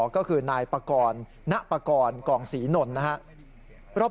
ก็คือนายประกอร์นแหน่ประกรกองศรีนนนท์นะครับ